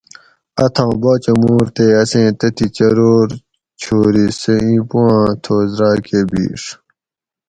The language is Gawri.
اتھاں باچہ مُور تے اسیں تتھی چرور چھوری سہ اِیں پوآۤں تھوس راۤکہ بِھیڛ